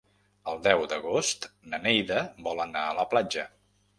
El deu d'agost na Neida vol anar a la platja.